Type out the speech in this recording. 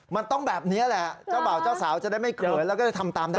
มันต้องแบบนี้แหละเจ้าบ่าวเจ้าสาวจะได้ไม่เขินแล้วก็จะทำตามได้